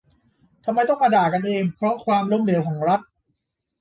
"ทำไมต้องมาด่ากันเองเพราะความล้มเหลวของรัฐ"